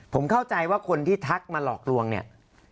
ผมเข้าใจว่าคนที่ทักมาหลอกลวงเนี่ย